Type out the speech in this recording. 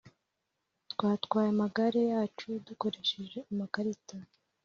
twatwaye amagare yacu dukoresheje amakarita